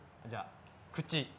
じゃあ口。